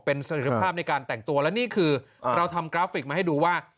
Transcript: เป็นสถิภาพในการแต่งตัวและนี่คือเราทำกราฟิกมาให้ดูว่า